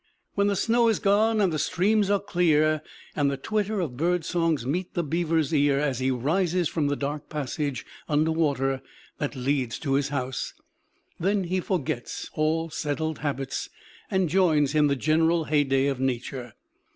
When the snow is gone, and the streams are clear, and the twitter of bird songs meets the beaver's ear as he rises from the dark passage under water that leads to his house, then he forgets all settled habits and joins in the general heyday of nature.